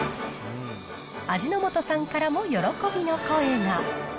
味の素さんからも喜びの声が。